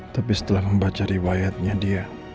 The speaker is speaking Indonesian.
tapi setelah membaca riwayatnya dia